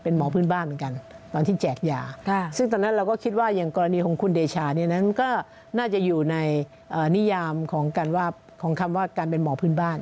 น่าจะอยู่ในนิยามของคำว่าการเป็นหมอพื้นบ้าน